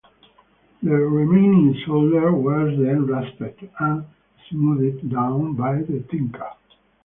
The remaining solder was then rasped and smoothed down by the tinker.